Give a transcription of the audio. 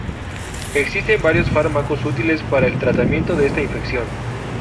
Existen varios fármacos útiles para el tratamiento de esta infección.